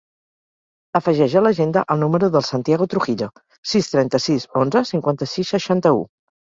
Afegeix a l'agenda el número del Santiago Trujillo: sis, trenta-sis, onze, cinquanta-sis, seixanta-u.